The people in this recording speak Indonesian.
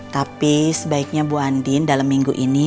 tapi sebaiknya bu andin dalam minggu ini